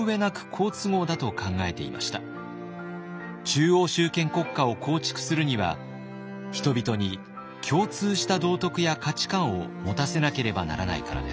中央集権国家を構築するには人々に共通した道徳や価値観を持たせなければならないからです。